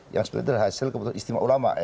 yang sebenarnya terhasil kebetulan istimewa ulama ya